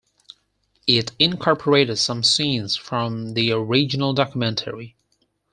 It incorporated some scenes from the original documentary.